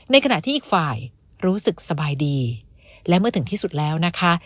ในขณะที่อีกฝ่ายรู้สึกสบายดีและเมื่อถึงที่สุดแล้วนะคะ